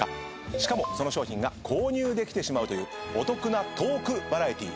しかもその商品が購入できてしまうというお得なトークバラエティー